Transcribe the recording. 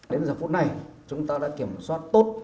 đến giờ phút này chúng ta đã kiểm soát tốt